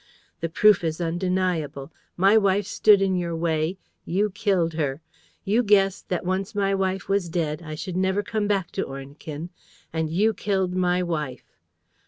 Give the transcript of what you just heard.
The proof is undeniable. My wife stood in your way: you killed her. You guessed that, once my wife was dead, I should never come back to Ornequin; and you killed my wife.